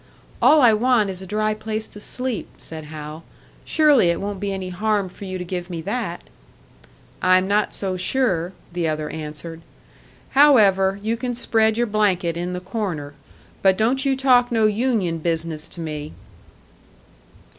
"All I want is a dry place to sleep," said Hal. "Surely it won't be any harm for you to give me that." "I'm not so sure," the other answered. "However, you can spread your blanket in the corner. But don't you talk no union business to me."